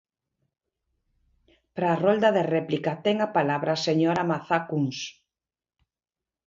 Para a rolda de réplica ten a palabra a señora Mazá Cuns.